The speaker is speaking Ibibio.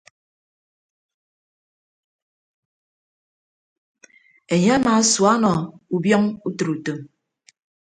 Enye amaasua ọnọ ubiọñ utịre utom.